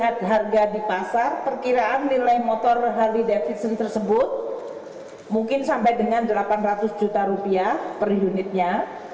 harga di pasar perkiraan nilai motor harley davidson tersebut mungkin sampai dengan delapan ratus juta rupiah per unitnya